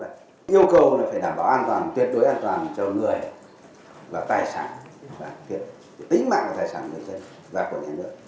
yêu cầu là phải đảm bảo an toàn tuyệt đối an toàn cho người và tài sản tính mạng và tài sản người dân và quân nhân